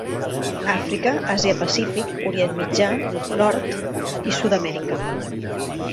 Àfrica, Àsia-Pacífic, Orient Mitjà i Nord- i Sud-Amèrica.